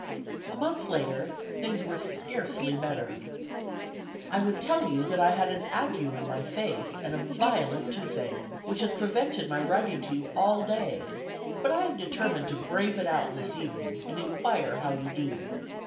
A month later, things were scarcely better. "I would tell you that I had an ague in my face, and a violent toothache, which has prevented my writing to you all day; but I am determined to brave it out this evening, and enquire how you do.